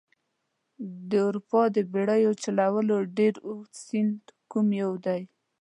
د اروپا د بیړیو چلولو ډېر اوږد سیند کوم یو دي؟